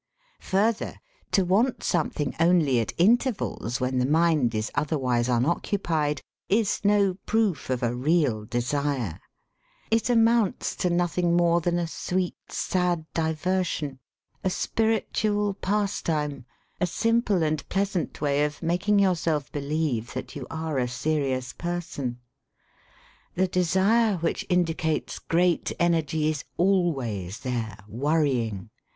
'^Further, to want something only at inter vals, when the mind is otherwise unoccupied, is no proof of a real desire; it amounts to nothing more than a sweet, sad diversion, a spiritual pas time, a simple and pleasant way of making your self believe that you are a serious person. The desire which indicates great energy is always there, worrying.